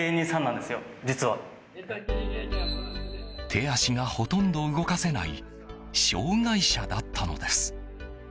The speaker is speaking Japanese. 手足がほとんど動かせない障害者だったのです。